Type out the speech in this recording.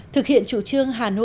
thực hiện chủ trương hợp tác hiệu quả